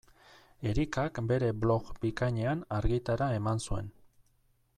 Erikak bere blog bikainean argitara eman zuen.